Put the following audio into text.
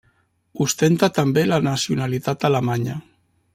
Ostenta també la nacionalitat alemanya.